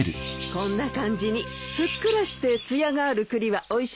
こんな感じにふっくらして艶がある栗はおいしいんだよ。